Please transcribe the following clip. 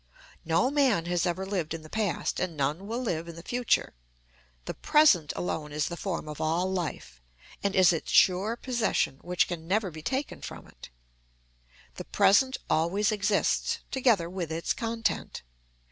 No man has ever lived in the past, and none will live in the future; the present alone is the form of all life, and is its sure possession which can never be taken from it. The present always exists, together with its content.